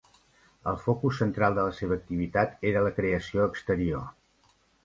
El focus central de la seva activitat era la creació exterior.